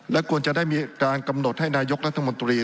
และควรจะได้มีการกำหนดให้นายกรัฐมนตรี